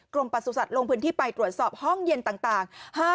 กรมประสูจน์สัตว์ลงพื้นที่ไปตรวจสอบห้องเย็นต่าง